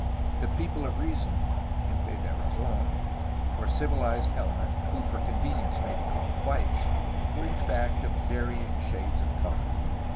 The ' 'people of lesison^ \{gente de razon), or civilized ele ment, who for convenience may be called 'Vhites,'' were in fact of varying shades of color.